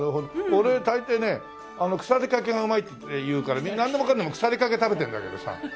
俺大抵ね腐りかけがうまいっていうからなんでもかんでも腐りかけ食べてるんだけどさ。